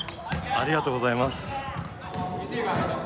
ありがとうございます。